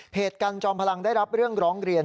กันจอมพลังได้รับเรื่องร้องเรียน